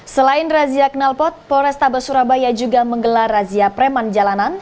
selain razia knalpot polres tabes surabaya juga menggelar razia preman jalanan